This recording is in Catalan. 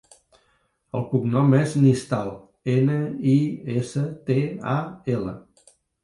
El cognom és Nistal: ena, i, essa, te, a, ela.